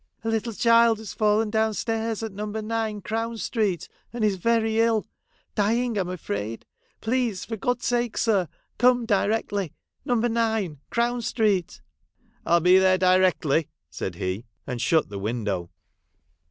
' A little child has fallen down stairs at No. 9, Crown street, and is very ill, — dying I'm afraid. Please, for God's sake, sir, come directly. No. 9, Crown street.' ' I '11 be there directly,' said he, and shut the window.